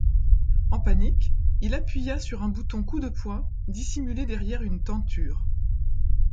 En panique, il appuya sur un bouton coup de poing dissimulé derrière une tenture.